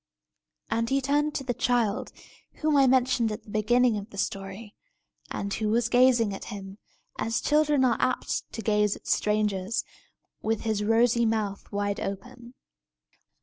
And he turned to the child, whom I mentioned at the beginning of the story, and who was gazing at him, as children are apt to gaze at strangers, with his rosy mouth wide open.